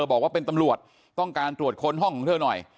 บอกว่าเป็นตำรวจต้องการตรวจค้นห้องของเธอหน่อย